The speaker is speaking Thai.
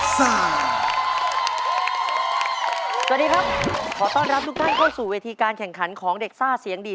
สวัสดีครับขอต้อนรับทุกท่านเข้าสู่เวทีการแข่งขันของเด็กซ่าเสียงดี